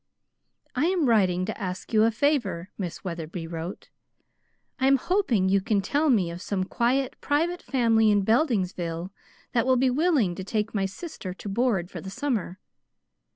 "I am writing to ask you a favor," Miss Wetherby wrote. "I am hoping you can tell me of some quiet private family in Beldingsville that will be willing to take my sister to board for the summer.